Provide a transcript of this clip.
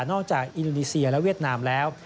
อินโดนีเซียและเวียดนามแล้ว